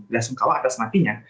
belasungkawa adalah semakinya